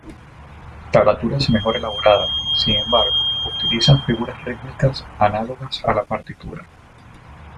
Tablaturas mejor elaboradas, sin embargo, utilizan figuras rítmicas análogas a la partitura.